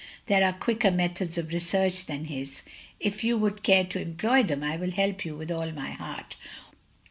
There are quicker methods of research than his. If you would care to employ them I will help you with all my heart."